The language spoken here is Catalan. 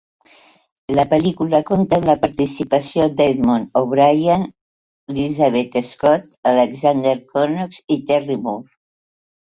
La pel·lícula compta amb la participació d'Edmond O'Brien, Lizabeth Scott, Alexander Knox i Terry Moore.